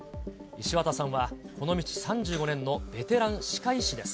石渡さんは、この道３５年のベテラン歯科医師です。